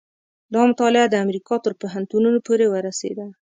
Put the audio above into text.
دا مطالعه د امریکا تر پوهنتونونو پورې ورسېده.